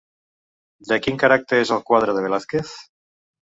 De quin caràcter és el quadre de Velázquez?